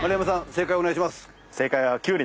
正解お願いします。